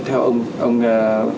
theo ông trần quang vũ